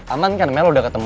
aman kan mel udah ketemu